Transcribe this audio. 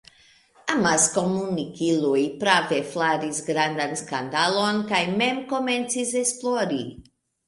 Amaskomunikiloj prave flaris grandan skandalon kaj mem komencis esplori.